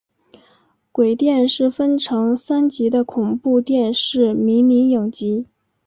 鬼店是分成三集的恐怖电视迷你影集。